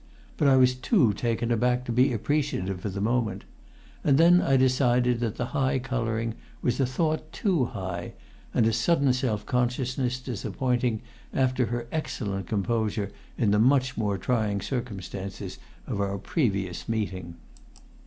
But I was too taken aback to be appreciative for the moment. And then I decided that the high colouring was a thought too high, and a sudden self consciousness disappointing after her excellent composure in the much more trying circumstances of our previous meeting.